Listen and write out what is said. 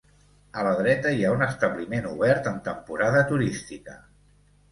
A la dreta hi ha un establiment obert en temporada turística.